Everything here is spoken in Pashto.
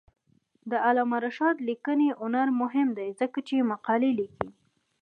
د علامه رشاد لیکنی هنر مهم دی ځکه چې مقالې لیکي.